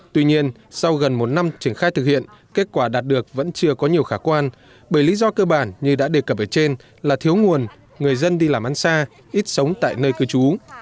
tuy nhiên sau gần một năm triển khai thực hiện kết quả đạt được vẫn chưa có nhiều khả quan bởi lý do cơ bản như đã đề cập ở trên là thiếu nguồn người dân đi làm ăn xa ít sống tại nơi cư trú